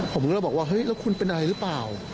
ผมก็เลยบอกว่าเฮ้ยแล้วคุณเป็นอะไรหรือเปล่า